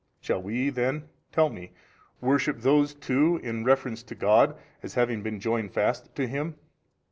Shall we then (tell me) worship those too in reference to God as having been fast joined to Him?